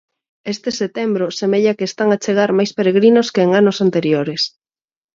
Este setembro semella que están a chegar máis peregrinos que en anos anteriores.